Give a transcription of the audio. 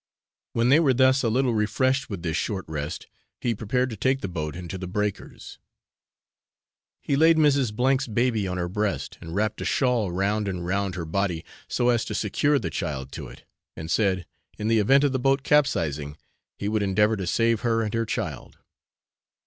When they were thus a little refreshed with this short rest, he prepared to take the boat into the breakers. He laid Mrs. N 's baby on her breast, and wrapped a shawl round and round her body so as to secure the child to it, and said, in the event of the boat capsizing, he would endeavour to save her and her child.